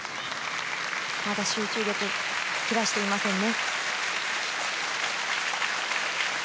まだ集中力を切らしていませんね。